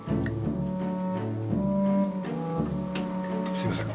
すみません。